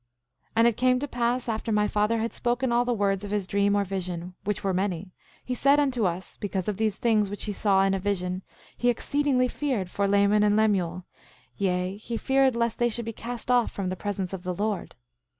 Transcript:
8:36 And it came to pass after my father had spoken all the words of his dream or vision, which were many, he said unto us, because of these things which he saw in a vision, he exceedingly feared for Laman and Lemuel; yea, he feared lest they should be cast off from the presence of the Lord.